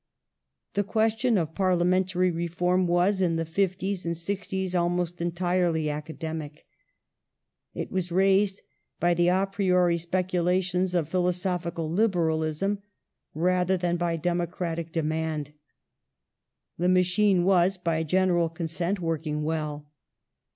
The question of parliamentary reform was, in the 'fifties and 'sixties, almost entirely academic. It was raised by the a priori speculations of philosophical liberalism, rather than by democratic demand. The machine was, by general consent, working well.